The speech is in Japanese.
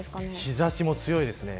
日差しも強いです。